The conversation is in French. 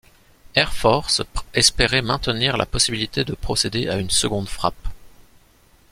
Air Force espérait maintenir la possibilité de procéder à une seconde frappe.